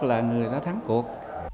là người đã thắng cuộc